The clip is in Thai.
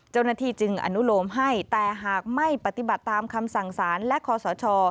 เจ้าหน้าที่จึงอนุโลมให้แต่หากไม่ปฏิบัติตามคำสั่งสารและคอสช